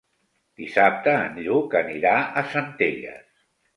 Dissabte en Lluc anirà a Centelles.